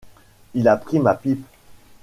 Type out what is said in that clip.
Il a pris ma pipe !